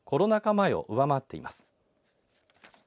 前を上回っています。